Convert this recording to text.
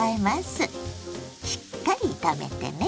しっかり炒めてね。